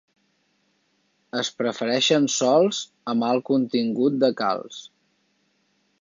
Es prefereixen sòls amb alt contingut de calç.